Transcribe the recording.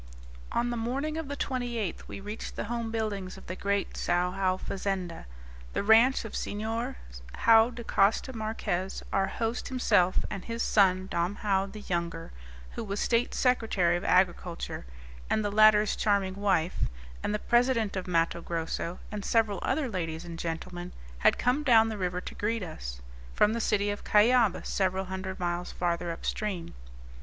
On the morning of the 28th we reached the home buildings of the great Sao Joao fazenda, the ranch of Senhor Joao da Costa Marques. Our host himself, and his son, Dom Joao the younger, who was state secretary of agriculture, and the latter's charming wife, and the president of Matto Grosso, and several other ladies and gentlemen, had come down the river to greet us, from the city of Cuyaba, several hundred miles farther up stream.